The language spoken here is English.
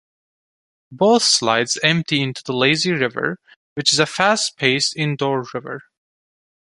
Both slides empty into the Lazy River which is a fast-paced indoor river.